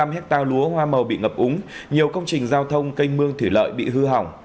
ba trăm sáu mươi năm hectare lúa hoa màu bị ngập úng nhiều công trình giao thông cây mương thủy lợi bị hư hỏng